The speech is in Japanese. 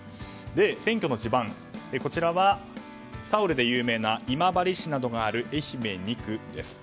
選挙の地盤はタオルで有名な今治市などがある愛媛２区です。